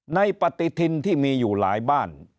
ปฏิทินที่มีอยู่หลายบ้าน